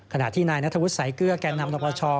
ขณะที่นายนัฐวุษย์สายเกลื้อแก่นำรับประชา